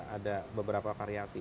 ada beberapa karyasi